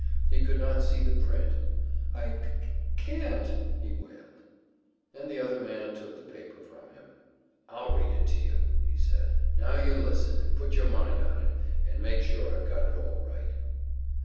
He could not see the print. "I c c can't," he wailed. And the other man took the paper from him. "I'll read it to you," he said. "Now you listen, and put your mind on it, and make sure I've got it all right."